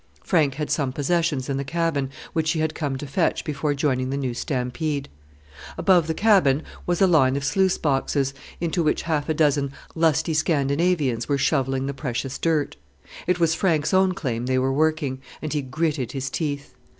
Frank had some possessions in the cabin, which he had come to fetch before joining the new stampede. Above the cabin was a line of sluice boxes, into which half a dozen lusty Scandinavians were shovelling the precious dirt. It was Frank's own claim they were working and he gritted his teeth.